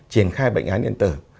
triển khai bệnh án điện tử